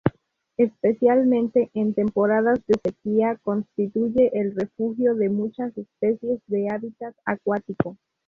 Especialmente en temporadas de sequía, constituye el refugio de muchas especies de hábitat acuático.